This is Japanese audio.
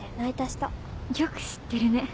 よく知ってるね。